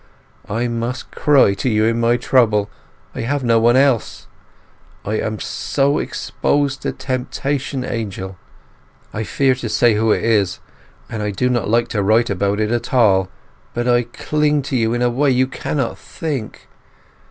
I must cry to you in my trouble—I have no one else! I am so exposed to temptation, Angel. I fear to say who it is, and I do not like to write about it at all. But I cling to you in a way you cannot think!